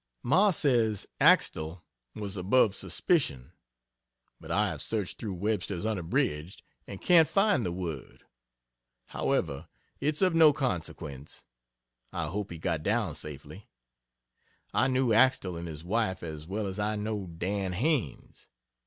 Ma says Axtele was above "suspition" but I have searched through Webster's Unabridged, and can't find the word. However, it's of no consequence I hope he got down safely. I knew Axtele and his wife as well as I know Dan Haines.